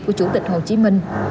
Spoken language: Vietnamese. của chủ tịch hồ chí minh